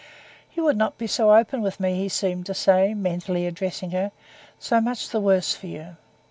"You would not be open with me," he seemed to say, mentally addressing her; "so much the worse for you.